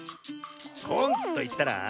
「こん」といったら？